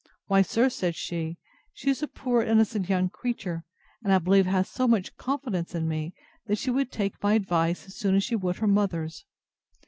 Why, sir, said she, she is a poor innocent young creature, and I believe has so much confidence in me, that she would take my advice as soon as she would her mother's.